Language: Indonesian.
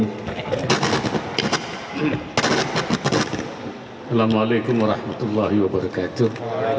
assalamu'alaikum warahmatullahi wabarakatuh